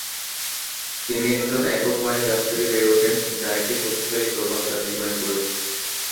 তিনি একজন একক মায়ের কাছে বেড়ে ওঠেন যার একটি শক্তিশালী প্রভাব তার জীবনে পড়েছে।